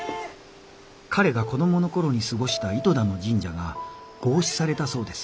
彼が子供の頃に過ごした糸田の神社が合祀されたそうです。